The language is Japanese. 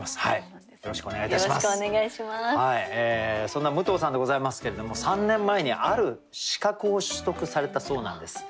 そんな武藤さんでございますけれども３年前にある資格を取得されたそうなんです。